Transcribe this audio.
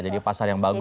jadi pasarnya yang bagus